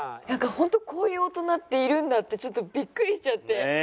なんかホントこういう大人っているんだ？ってちょっとビックリしちゃって。